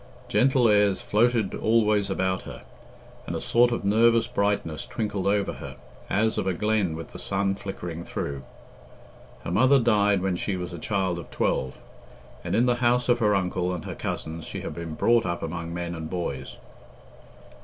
Gentle airs floated always about her, and a sort of nervous brightness twinkled over her, as of a glen with the sun flickering through. Her mother died when she was a child of twelve, and in the house of her uncle and her cousins she had been brought up among men and boys.